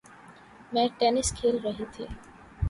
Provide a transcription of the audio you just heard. میں ٹینس کھیل رہی تھی